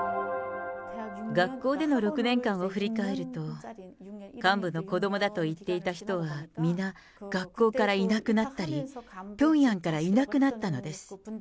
学校での６年間を振り返ると、幹部の子どもだと言っていた人は皆、学校からいなくなったり、ピョンヤンからいなくなったのです。